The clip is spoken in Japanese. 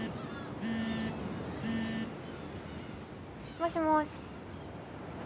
もしもし。